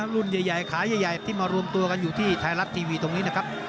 รุ่นใหญ่ขาใหญ่ที่มารวมตัวกันอยู่ที่ไทยรัฐทีวีตรงนี้นะครับ